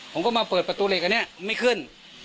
ผมก็มาเปิดประตูเหล็กอันนี้ไม่ขึ้น